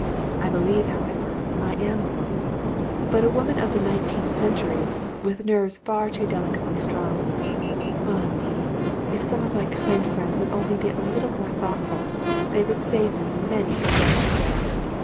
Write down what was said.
I believe, however, I am a woman, but a woman of the nineteenth century, with nerves far too delicately strung. Ah me! if some of my kind friends would only be a little more thoughtful, they would save me many a wretched day.